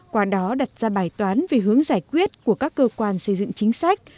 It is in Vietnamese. qua đó đặt ra bài toán về hướng giải quyết của các cơ quan xây dựng chính sách